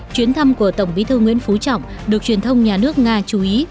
chuyến thăm của tổng bí thư nguyễn phú trọng được truyền thông nhà nước nga chú ý